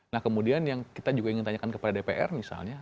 nah kemudian yang kita juga ingin tanyakan kepada dpr misalnya